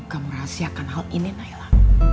kamu rahasiakan hal ini naila